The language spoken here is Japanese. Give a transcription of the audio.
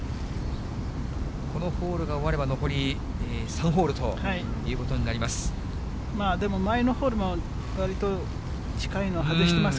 このホールが終われば、残り３ホールということになります。